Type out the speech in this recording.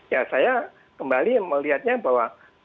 ya saya kembali melihatnya bahwa